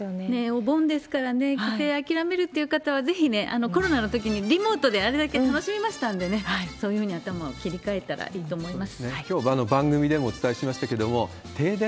お盆ですからね、帰省諦めるっていう方は、ぜひね、コロナのときにリモートであれだけ楽しみましたんでね、そういうふうにやったほうが、頭を切り替えたらいいと思います。